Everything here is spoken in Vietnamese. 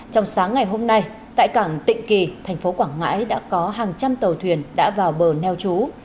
trong sáng ngày hôm nay tại cảng tịnh kỳ thành phố quảng ngãi đã có hàng trăm tàu thuyền đã vào bờ neo trú